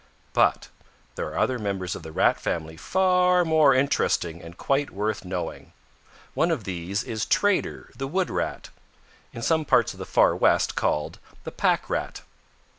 "But there are other members of the Rat family far more interesting and quite worth knowing. One of these is Trader the Wood Rat, in some parts of the Far West called the Pack Rat.